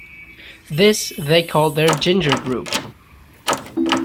This they called their Ginger Group.